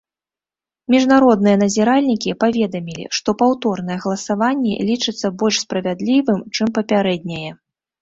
Міжнародныя назіральнікі паведамілі, што паўторнае галасаванне лічыцца больш справядлівым, чым папярэдняе.